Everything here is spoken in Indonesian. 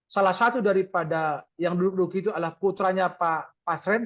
salah satu daripada yang duduk itu adalah putranya pak pasren